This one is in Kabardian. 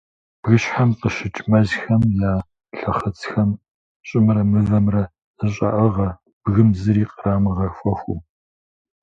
Бгыщхьэм къыщыкӏ мэзхэм я лъэхъыцхэм щӏымрэ мывэмрэ зэщӏаӏыгъэ бгым зыри кърамыгъэхуэхыу.